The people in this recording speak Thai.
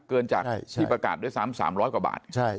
เกินจากที่ประกาศด้วยซ้ำ๓๐๐กว่าบาท